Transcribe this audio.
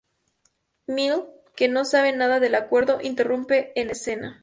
Mill, que no sabe nada del acuerdo, irrumpe en escena.